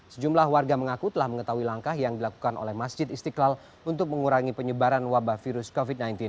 sejumlah warga mengaku telah mengetahui langkah yang dilakukan oleh masjid istiqlal untuk mengurangi penyebaran wabah virus covid sembilan belas